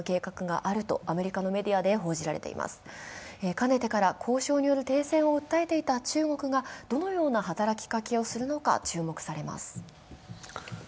かねてから交渉による停戦を訴えていた中国がどのような働きかけをするのか注目されます。